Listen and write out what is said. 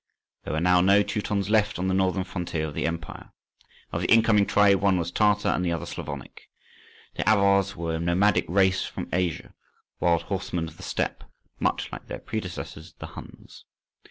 There were now no Teutons left on the northern frontier of the empire: of the incoming tribes, one was Tartar and the other Slavonic. The Avars were a nomadic race from Asia, wild horsemen of the Steppes, much like their predecessors the Huns.